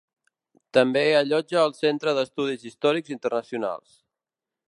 També allotja el Centre d'Estudis Històrics Internacionals.